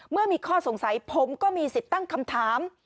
เมื่อมีข้อสงสัยผมก็มีสิทธิ์ตั้งคำถาม